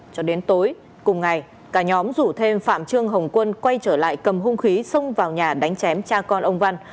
cho đến tối cùng ngày cả nhóm rủ thêm phạm trương hồng quân quay trở lại cầm hung khí xông vào nhà đánh chém cha con ông văn